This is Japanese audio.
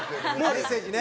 メッセージね。